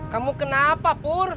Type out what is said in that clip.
kamu kenapa pur